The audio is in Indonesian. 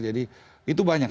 jadi itu banyak